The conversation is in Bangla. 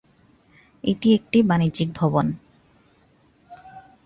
এটি একটি বাণিজ্যিক ভবন।